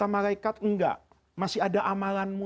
malaikat enggak masih ada amalanmu